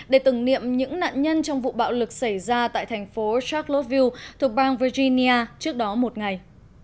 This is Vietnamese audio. để tưởng niệm những nạn nhân trong vụ bạo lực xảy ra tại thành phố charleslovid thuộc bang virginia trước đó một ngày